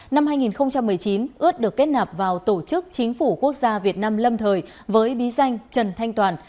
năm hai nghìn một mươi chín ướt được kết nạp vào tổ chức chính phủ quốc gia việt nam lâm thời với bí danh trần thanh toàn